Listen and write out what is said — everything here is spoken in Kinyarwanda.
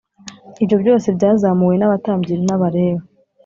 Ibyo byose byazamuwe n’abatambyi n’Abalewi